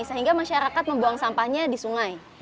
sehingga masyarakat membuang sampahnya di sungai